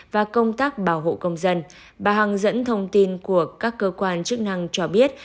và công tác bảo hộ công dân bà hằng dẫn thông tin của các cơ quan chức năng cho biết